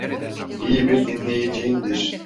İyi bir dinleyiciyimdir.